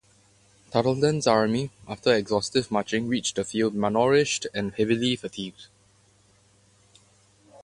Tarleton's army, after exhaustive marching, reached the field malnourished and heavily fatigued.